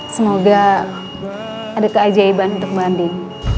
semoga ada keajaiban untuk bu anding